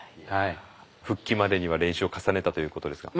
復帰までには練習を重ねたということですが。